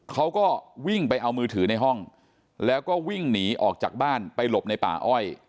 เขาก็วิ่งไปเอามือถือในห้องแล้วก็วิ่งหนีออกจากบ้านไปหลบในป่าอ้อย